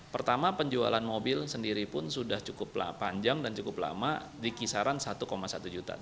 pertama penjualan mobil sendiri pun sudah cukup panjang dan cukup lama di kisaran satu satu juta